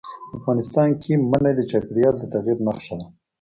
افغانستان کې منی د چاپېریال د تغیر نښه ده.